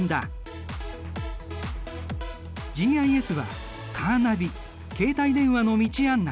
ＧＩＳはカーナビ携帯電話の道案内